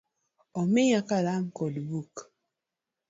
Omiya Kalam kod buk.